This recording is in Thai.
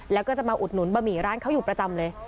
แล้วก็จะมาอุดหนุนบะหมี่ร้านเขาอยู่ประจำเลย